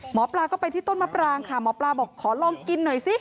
หมอปลาก็ไปที่ต้นมะปรางค่ะหมอปลาบอกขอลองกินหน่อยสิ